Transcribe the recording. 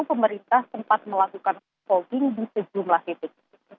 pemerintah sempat melakukan polling di sejumlah titik